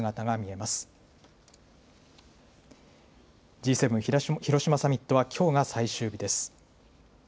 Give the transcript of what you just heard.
Ｇ７広島サミットはきょうが最終日です。